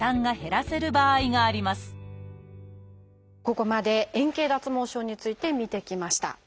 ここまで円形脱毛症について見てきました。